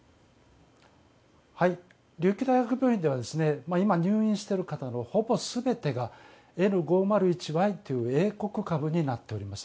琉球大学病院では今入院している方のほぼ全てがＬ５０１Ｙという英国株になっております。